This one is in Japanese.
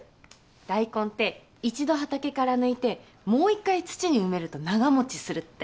ダイコンって一度畑から抜いてもう１回土に埋めると長持ちするって。